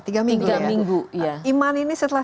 tiga minggu ya minggu iman ini setelah